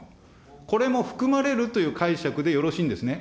これも含まれるという解釈でよろしいんですね。